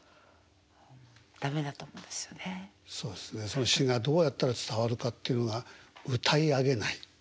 その詞がどうやったら伝わるかっていうのが歌い上げない。